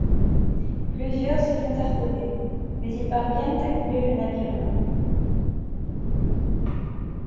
Plusieurs se font harponner, mais ils parviennent à couler le navire humain.